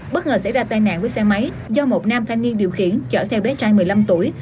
bất ngờ xảy ra tai nạn với xe máy do một nam thanh niên điều khiển chở theo bé trai một mươi năm tuổi